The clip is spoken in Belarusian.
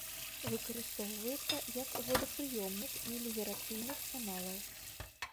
Выкарыстоўваецца як водапрыёмнік меліярацыйных каналаў.